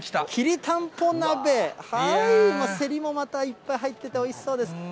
きりたんぽ鍋、せりもまたいっぱい入ってておいしそうです。